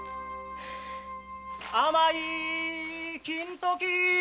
甘い金時！